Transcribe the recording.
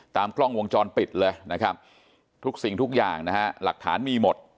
กล้องวงจรปิดเลยนะครับทุกสิ่งทุกอย่างนะฮะหลักฐานมีหมด